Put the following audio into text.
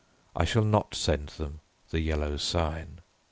I shall not send them the Yellow Sign."